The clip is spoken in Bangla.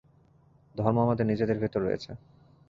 ধর্ম আমাদের নিজেদের ভিতর রয়েছে।